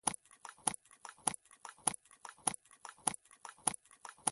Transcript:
که انسان هیله وساتي، نو ماتې به بری شي.